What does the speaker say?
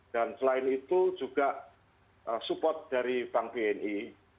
dan selain itu juga support dari bank bni